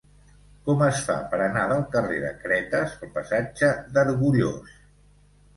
Com es fa per anar del carrer de Cretes al passatge d'Argullós?